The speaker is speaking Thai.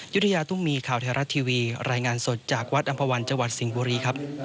ยุฒิยาตุ้งมีข่าวแทรฐทีวีรายงานสดจากวัดอำภาวันจสิงห์บุหรีครับ